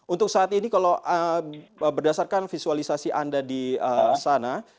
untuk saat ini kalau berdasarkan visualisasi anda di sana